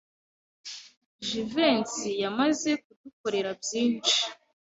Jivency yamaze kudukorera byinshi.